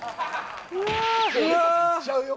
うわいっちゃうよ